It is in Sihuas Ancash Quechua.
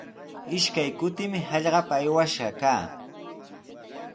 Ishkay kutimi hallqapa aywash kaa.